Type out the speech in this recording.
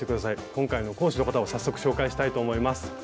今回の講師の方を早速紹介したいと思います。